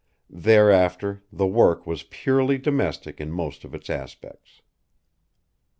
Thereafter the work was purely domestic in most of its aspects.